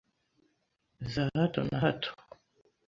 za hato na hato,